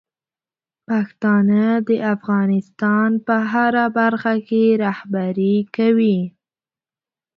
پښتانه د افغانستان په هره برخه کې رهبري کوي.